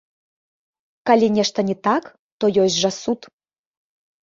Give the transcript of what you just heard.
Калі нешта не так, то ёсць жа суд.